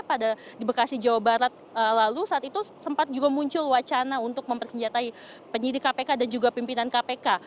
pada di bekasi jawa barat lalu saat itu sempat juga muncul wacana untuk mempersenjatai penyidik kpk dan juga pimpinan kpk